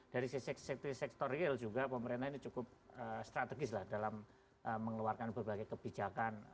dari sisi sektor real juga pemerintah ini cukup strategis lah dalam mengeluarkan berbagai kebijakan